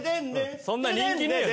そんな人気ねえよ